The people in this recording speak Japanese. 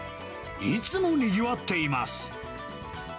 いつもにぎわっています。